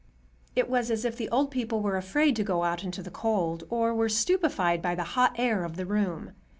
It was as if the old people were afraid to go out into the cold, or were stupefied by the hot air of the room.